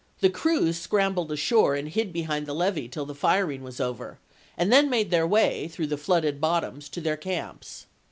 The crew scrambled ashore and hid behind the levee till the firing was over, and then made their way, through the flooded bottoms, to their camps.